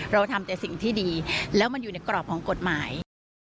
เป็นสิ่งที่ดีแล้วมันอยู่ในกรอบของกฎหมาย